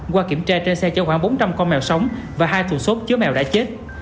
qua kiểm tra trên xe chở khoảng bốn trăm linh con mèo sống và hai thùng xốp chứa mèo đã chết